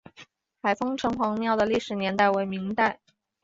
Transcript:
海丰城隍庙的历史年代为明代。